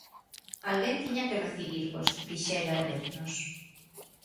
"Alguén tiña que recibirvos", dixera ao vernos.